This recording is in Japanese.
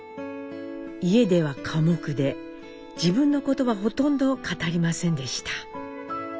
家では寡黙で自分のことはほとんど語りませんでした。